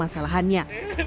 dan juga masalahannya